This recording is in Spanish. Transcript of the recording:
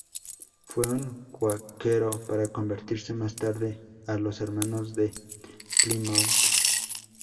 Fue un cuáquero, para convertirse más tarde a los Hermanos de Plymouth.